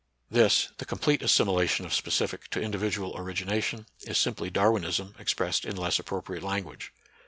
This, the complete assimilation of specific to individual origination, is simply Darwinism, expressed in less appropriate language.